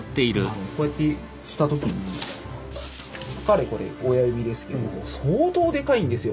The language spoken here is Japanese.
こうやってした時に彼これ親指ですけども相当でかいんですよ。